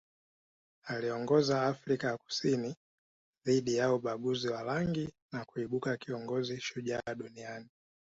Aliiongoza Afrika ya Kusini dhidi ya ubaguzi wa rangi na kuibuka kiongozi shujaa duniani